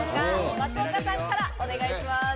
松岡さんからお願いします。